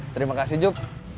terima kasih jup